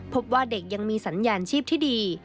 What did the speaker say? พบว่าเด็กยังมีสัญญาณชีพที่ดี